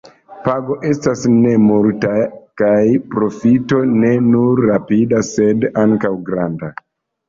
Pago estas ne multa kaj profito ne nur rapida sed ankaŭ granda.